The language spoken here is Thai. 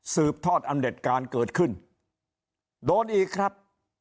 สืบทอดอำเด็จการเกิดขึ้นโดนอีกครับ